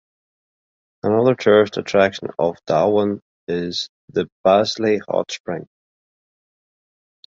Another tourist attraction of Dauin is the Baslay Hot Spring.